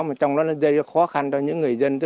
mà trong đó nó gây ra khó khăn cho những người dân